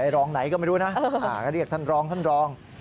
รองไหนก็ไม่รู้นะก็เรียกท่านรองท่านรอง